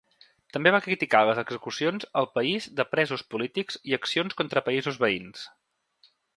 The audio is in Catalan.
També va criticar les execucions al país de presos polítics i accions contra països veïns.